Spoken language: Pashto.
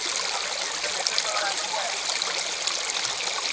طبیعت د انسانانو نه بدلیږي!٫.